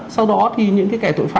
sau đó thì những cái kẻ tội phạm